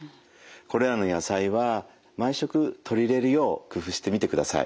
これらの野菜は毎食取り入れるよう工夫してみてください。